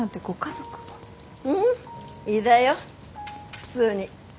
いだよ普通に。